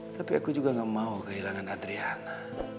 tapi aku juga gak mau kehilangan adriana